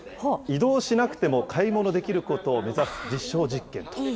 移動しなくても買い物できることを目指す実証実験。